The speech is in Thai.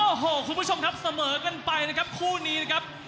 โอ้โหคุณผู้ชมครับเสมอกันไปนะครับคู่นี้นะครับ